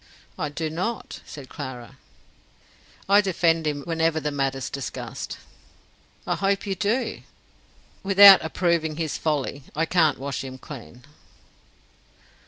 "I do not," said Clara. "I defend him whenever the matter's discussed." "I hope you do." "Without approving his folly. I can't wash him clean."